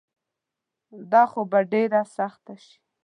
دا خو به ډیره سخته شي